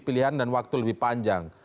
pilihan dan waktu lebih panjang